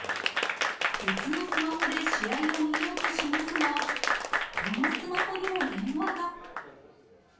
別のスマホで試合を見ようとしますが、このスマホにも電話が。